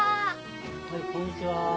はいこんにちは。